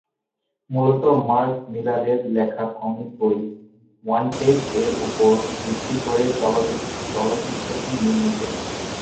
মূলত মার্ক মিলারের লেখা কমিক বই "ওয়ান্টেড"-এর ওপর ভিত্তি করে চলচ্চিত্রটি নির্মিত।